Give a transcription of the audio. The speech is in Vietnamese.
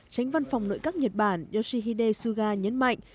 tránh văn phòng nội các nhật bản yoshihide suga nhấn mạnh